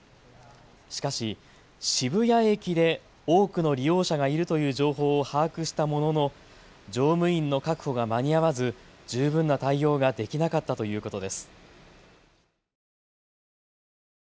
しかし渋谷駅で多くの利用者がいるという情報を把握したものの乗務員の確保が間に合わず十分な対応ができなかったということです。